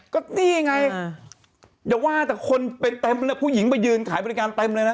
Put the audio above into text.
ก็นี่ไงอย่าว่าแต่คนไปเต็มฮะผู้หญิงมายืนขายบริการ